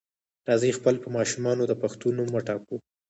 راځئ خپل په ماشومانو د پښتو نوم وټاکو.